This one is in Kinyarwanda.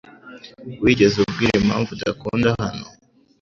Wigeze ubwira impamvu udakunda hano?